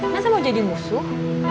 masa mau jadi musuh